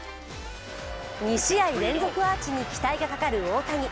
２試合連続アーチに期待がかかる大谷。